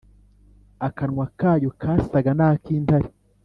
akanwa kayo kasaga n’ak’intare.